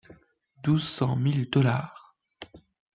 Douze cent mille dollars !